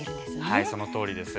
はい、そのとおりです。